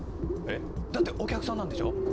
えっ？だってお客さんなんでしょ？